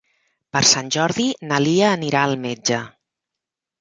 Per Sant Jordi na Lia anirà al metge.